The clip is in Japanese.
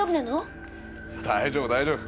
大丈夫大丈夫。